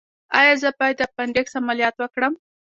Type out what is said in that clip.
ایا زه باید د اپنډکس عملیات وکړم؟